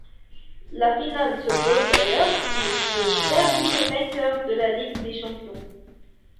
La finale oppose d'ailleurs les deux derniers vainqueurs de la Ligue des champions.